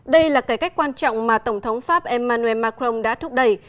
đây là cải cách quan trọng mà tổng thống pháp emmanuel macron đã thúc đẩy